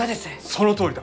そのとおりだ！